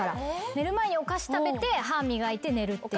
寝る前にお菓子食べて歯磨いて寝るっていうのが習慣で。